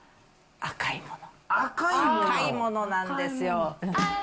赤いものなんですよ。